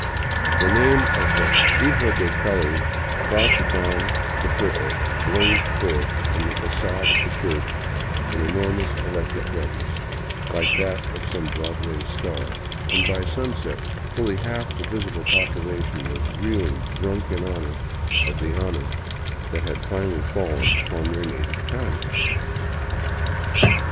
The name of the " hi jo de Cali " about to don the purple blazed forth from the fagade of the church in enormous electric letters, like that of some Broadway star, and by sunset fully half the visible population was reeling drunk in honor of the honor that had fallen upon their native town.